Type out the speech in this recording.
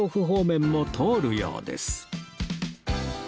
方面も通るようです